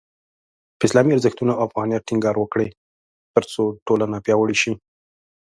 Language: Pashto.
په اسلامي ارزښتونو او افغانیت ټینګار وکړئ، ترڅو ټولنه پیاوړې شي.